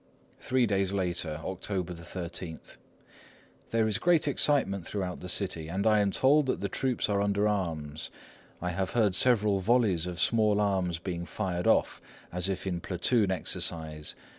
Three days later, October 13:— "There is great excitement throughout the city, and I am told that the troops are under arms. I have heard several volleys of small arms being fired off, as if in platoon exercise.